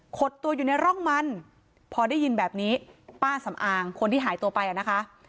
ตัวอยู่ในร่องมันพอได้ยินแบบนี้ป้าสำอางคนที่หายตัวไปอ่ะนะคะ